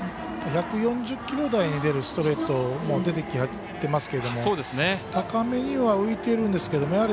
１４０キロ台に出るストレートも出てきてますけど高めには浮いているんですけどね。